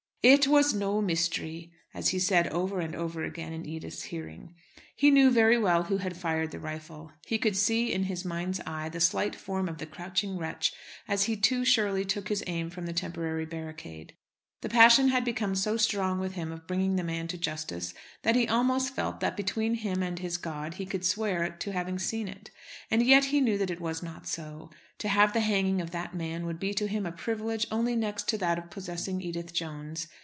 "It was no mystery," as he said over and over again in Edith's hearing. He knew very well who had fired the rifle. He could see, in his mind's eye, the slight form of the crouching wretch as he too surely took his aim from the temporary barricade. The passion had become so strong with him of bringing the man to justice that he almost felt, that between him and his God he could swear to having seen it. And yet he knew that it was not so. To have the hanging of that man would be to him a privilege only next to that of possessing Edith Jones.